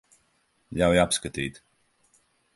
Ļauj apskatīt.